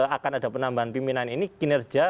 akan ada penambahan pimpinan ini kinerja